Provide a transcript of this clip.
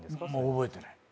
覚えてない。